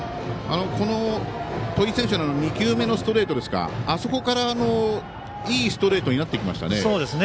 戸井選手への２球目のストレートですがあそこからいいストレートになってきましたね。